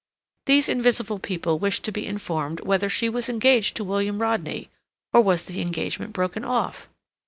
These invisible people wished to be informed whether she was engaged to William Rodney, or was the engagement broken off?